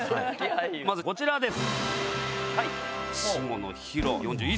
まずこちらです。